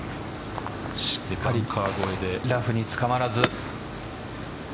しっかりラフにつかまらず。